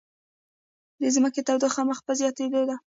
د ځمکې تودوخه مخ په زیاتیدو ده